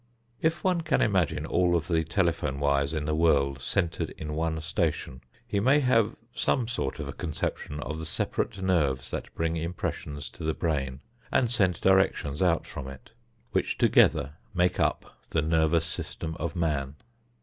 If one can imagine all of the telephone wires in the world centered in one station, he may have some sort of a conception of the separate nerves that bring impressions to the brain and send directions out from it, which together make up the nervous system of man.